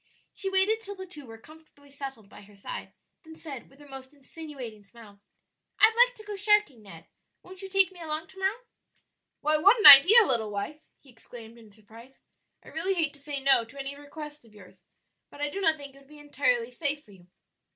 She waited till the two were comfortably settled by her side, then said, with her most insinuating smile, "I'd like to go sharking, Ned; won't you take me along to morrow?" "Why, what an idea, little wife!" he exclaimed in surprise. "I really hate to say no to any request of yours, but I do not think it would be entirely safe for you.